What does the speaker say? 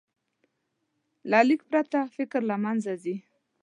له لیک پرته، فکر له منځه ځي.